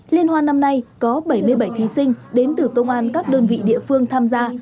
liên hoan năm nay có bảy mươi bảy thí sinh đến từ công an các đơn vị địa phương tham gia